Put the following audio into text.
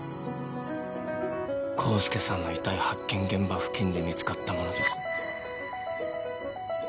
康介さんの遺体発見現場付近で見つかったものです